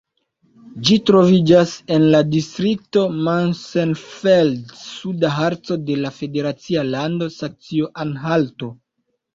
Ĝi troviĝas en la distrikto Mansfeld-Suda Harco de la federacia lando Saksio-Anhalto.